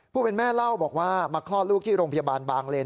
ผู้เป็นแม่เล่าบอกว่ามาคลอดลูกที่โรงพยาบาลบางเลน